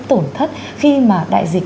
tổn thất khi mà đại dịch